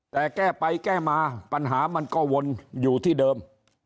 แต่แก้ไปแก้มาปัญหามันก็วนอยู่ที่เดิม